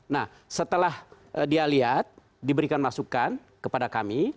nah setelah dia lihat diberikan masukan kepada kami